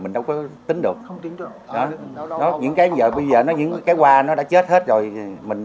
mình không có tính được những cái qua nó đã chết hết rồi mình không có tính được những cái qua nó đã chết hết rồi mình